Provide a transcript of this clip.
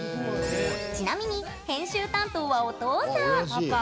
ちなみに、編集担当はお父さん。